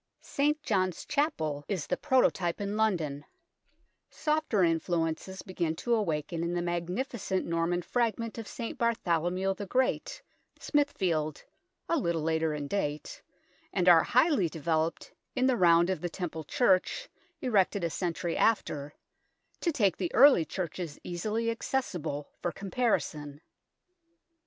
St. John's Chapel is the prototype in 132 THE TOWER OF LONDON London ; softer influences begin to awaken in the magnificent Norman fragment of St. Bartholomew the Great, Smithfield, a little later in date, and are highly developed in the Round of the Temple Church, erected a century after to take the early churches easily accessible for comparison.